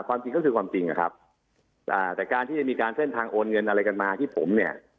จริงก็คือความจริงอะครับอ่าแต่การที่จะมีการเส้นทางโอนเงินอะไรกันมาที่ผมเนี่ย